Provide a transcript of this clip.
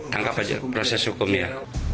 tangkap aja proses hukumnya